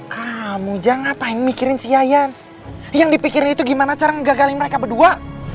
kamu jangan apa yang mikirin si ayan yang dipikir itu gimana cara gagalin mereka berdua